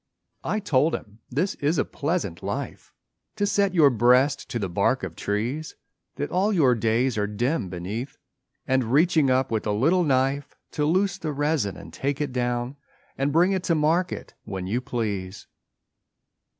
I told him this is a pleasant life To set your breast to the bark of trees That all your days are dim beneath, And reaching up with a little knife, To loose the resin and take it down And bring it to market when you please.